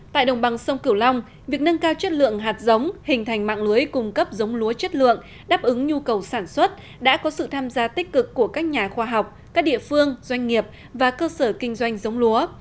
tại đồng bằng sông cửu long việc nâng cao chất lượng hạt giống hình thành mạng lưới cung cấp giống lúa chất lượng đáp ứng nhu cầu sản xuất đã có sự tham gia tích cực của các nhà khoa học các địa phương doanh nghiệp và cơ sở kinh doanh giống lúa